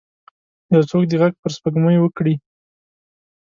یو څوک دې ږغ پر سپوږمۍ وکړئ